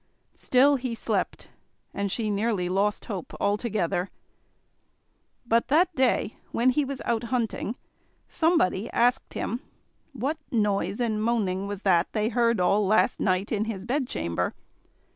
Still he slept, and she nearly lost hope altogether, But that day, when he was out hunting, somebody asked him what noise and moaning was that they heard all last night in his bedchamber.